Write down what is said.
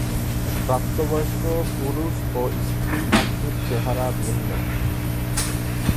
প্রাপ্তবয়স্ক পুরুষ ও স্ত্রী পাখির চেহারা ভিন্ন।